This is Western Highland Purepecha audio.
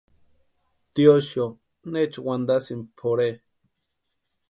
¿Tiosïo neecha wantasïni pʼorhe?